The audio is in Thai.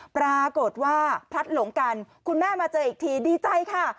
ปรากฏว่าพลัดหลงกันคุณแม่มาเจออีกทีดีใจค่ะ